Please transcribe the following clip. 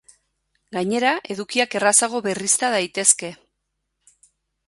Gainera, edukiak errazago berrizta daitezke.